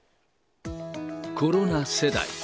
コロナ世代。